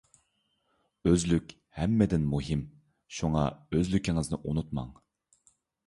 ئۆزلۈك ھەممىدىن مۇھىم. شۇڭا ئۆزلۈكىڭىزنى ئۇنتۇماڭ!